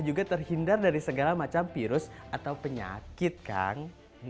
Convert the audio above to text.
juga terhindar dari segala macam virus atau penyakit kang